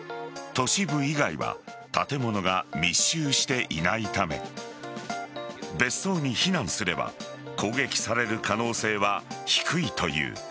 都市部以外は建物が密集していないため別荘に避難すれば攻撃される可能性は低いという。